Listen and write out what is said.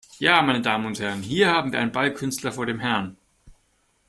Ja meine Damen und Herren, hier haben wir einen Ballkünstler vor dem Herrn!